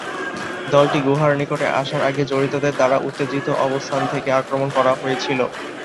দলটি গুহার নিকটে আসার সাথে জড়িতদের দ্বারা উত্তেজিত অবস্থান থেকে আক্রমণ করা হয়েছিল।